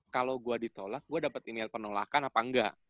kalo gua ditolak gua dapet email penolakan apa enggak